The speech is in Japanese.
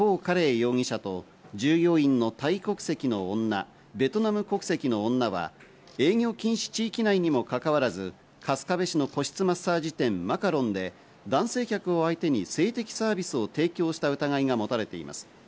容疑者と従業員のタイ国籍の女、ベトナム国籍の女は営業禁止地域内にもかかわらず、春日部市の個室マッサージ店、マカロンで男性客を相手に性的サービスを提供した疑いが持たれています。